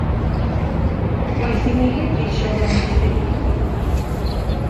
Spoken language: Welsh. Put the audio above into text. Waeth i mi heb geisio f'amddiffyn fy hun.